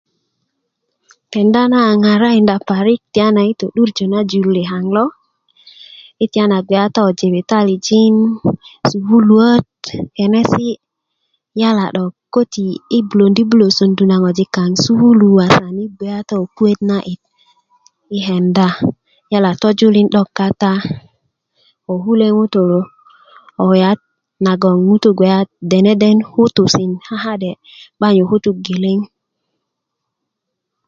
kenda na a ŋarakinda parik tiyana yi to'durjö na jur liyaŋ lo yi tiyana gbe kata ko jibitalijin sukuluwö kenesi' yala 'dok köti bulöne bulö sondu na ŋojik yi sukulu asan yi gbe kata ko puwet na'dit i kenda yala tojulin 'dok kata ko kule ŋutulu ko kulya naŋ ŋutu bge dende kutusen ka'de ka'de 'ba nyu kutuk geleŋ